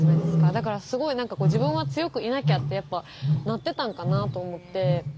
だからすごいなんかこう自分は強くいなきゃってやっぱなってたんかなと思って。